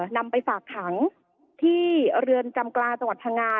นำไปฝากขังที่เรือนจำกลางจังหวัดพังงา